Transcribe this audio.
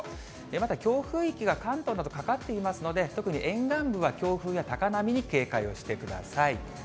まだ強風域が関東などかかっていますので、特に沿岸部は強風や高波に警戒をしてください。